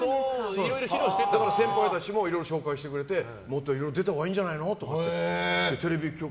先方たちもいろいろ紹介してくれていろいろ出たほうがいいんじゃないのって。